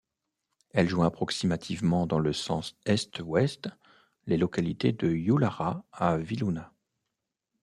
Elle joint approximativement, dans le sens est-ouest, les localités de Yulara à Wiluna.